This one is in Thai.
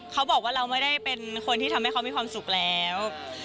เขาบอกว่าเราไม่ได้เป็นคนที่ทำให้เขามีความสุขแล้ว